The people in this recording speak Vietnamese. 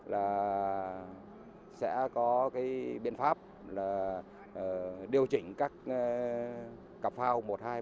là sẽ có cái biện pháp là điều chỉnh các cặp phao một hai ba bốn